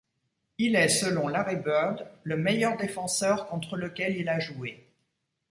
Il est, selon Larry Bird, le meilleur défenseur contre lequel il a joué.